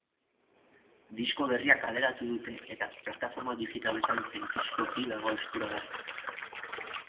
Disko berria kaleratu dute eta plataforma digitaletan zein fisikoki dago eskuragarri.